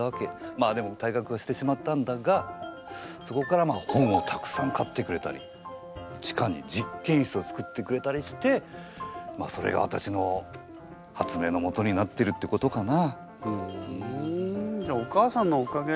まあでも退学はしてしまったんだがそこから本をたくさん買ってくれたり地下に実験室をつくってくれたりしてまあそれがわたしの発明のもとになってるってことかな。